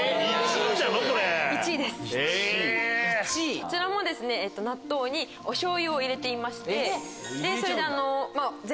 こちらも納豆におしょうゆを入れていまして。